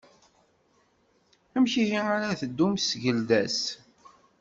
Amek ihi ara tdum tgelda-s?